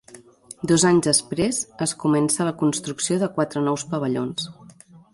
Dos anys després es comença la construcció de quatre nous pavellons.